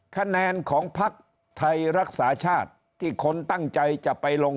คะแนนของพักไทยรักษาชาติที่คนตั้งใจจะไปลง